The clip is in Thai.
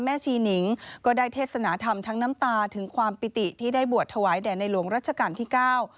ชีนิงก็ได้เทศนาธรรมทั้งน้ำตาถึงความปิติที่ได้บวชถวายแด่ในหลวงรัชกาลที่เก้า